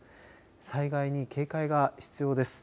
災害に警戒が必要です。